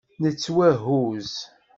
Nettwahuzz.